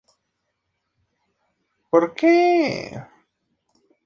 En el pueblo se encuentra el yacimiento arqueológico de Castro Ventosa.